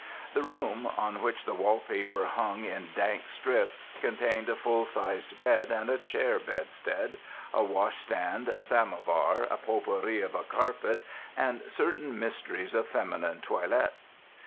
The room, on which the wallpaper hung in dank strips, contained a full sized bed and a chair bedstead, a washstand, a samovar, a potpourri of a carpet, and certain mysteries of feminine toilet.